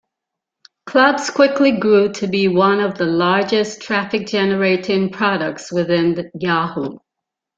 Clubs quickly grew to be one of the largest traffic-generating products within the Yahoo!